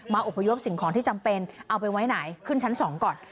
อบพยพสิ่งของที่จำเป็นเอาไปไว้ไหนขึ้นชั้น๒ก่อน